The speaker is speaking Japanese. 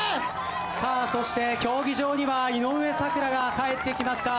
さあそして競技場には井上咲楽が帰ってきました。